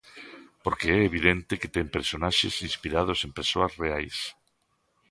Porque é evidente que ten personaxes inspirados en persoas reais.